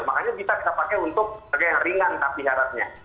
makanya kita bisa pakai untuk harga yang ringan tapi harapnya